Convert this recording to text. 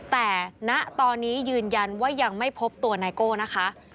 แต่ณตอนนี้ยืนยันว่ายังไม่พบตัวไนโก้นะคะ